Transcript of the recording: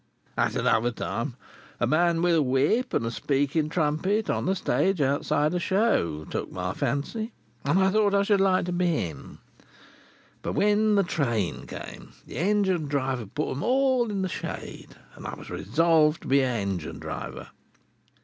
At another time, a man with a whip and a speaking trumpet, on the stage outside a show, took my fancy, and I thought I should like to be him. But when the train came, the engine driver put them all in the shade, and I was resolved to be a engine driver.